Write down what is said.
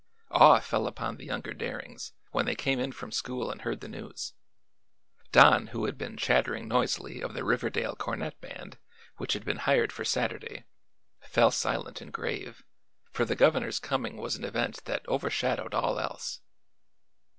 Awe fell upon the younger Darings when they came in from school and heard the news. Don, who had been chattering noisily of the Riverdale Cornet Band, which had been hired for Saturday, fell silent and grave, for the governor's coming was an event that overshadowed all else.